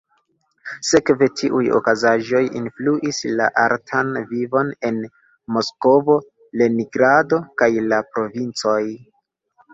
Sekve, tiuj okazaĵoj influis la artan vivon en Moskvo, Leningrado, kaj la provincoj.